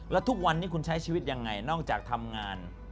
แล้วทุกวันนี้คุณใช้ชีวิตยังไงนอกจากทำงาน